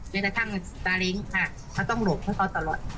แม้กระทั่งซาเล้งค่ะเขาต้องหลบให้เขาตลอด